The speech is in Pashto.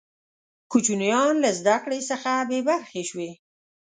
کوچنیان له زده کړي څخه بې برخې شوې.